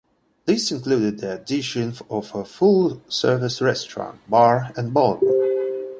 These included the addition of a full-service restaurant, bar, and ballroom.